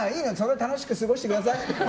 楽しく過ごしてください。